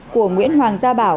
của nguyễn hoàng gia bảo